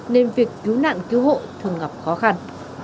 nên việc cứu nạn cứu hộ thường gặp khó khăn